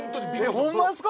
ホンマですか？